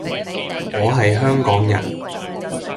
我係香港人